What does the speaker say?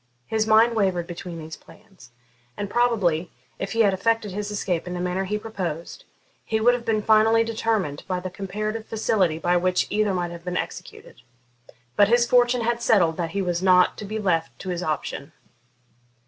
His mind wavered between these plans, and probably, if he had effected his escape in the manner he proposed, he would have been finally determined by the comparative facility by which either might have been executed. But his fortune had settled that he was not to be left to his option.